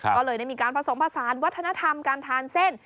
ก็เลยได้มีการผสมผสานวัฒนธรรมการทานเส้น